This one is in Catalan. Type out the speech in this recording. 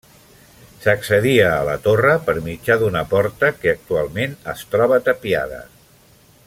S'accedia a la torre per mitjà d'una porta que actualment es troba tapiada.